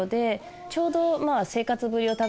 ちょうど。